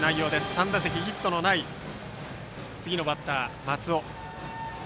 ３打席ヒットのない次のバッターの松尾。